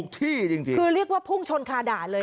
คือเรียกว่าพุ่งชนคาดาเลย